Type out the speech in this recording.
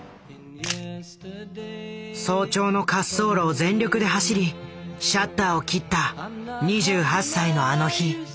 早朝の滑走路を全力で走りシャッターを切った２８歳のあの日。